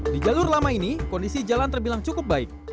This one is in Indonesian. di jalur lama ini kondisi jalan terbilang cukup baik